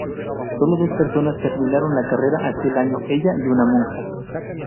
Solo dos personas terminaron la carrera aquel año: ella y una monja.